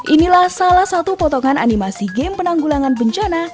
inilah salah satu potongan animasi game penanggulangan bencana